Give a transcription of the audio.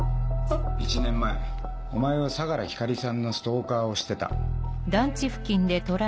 １年前お前は相良光莉さんのストーカーをしてた。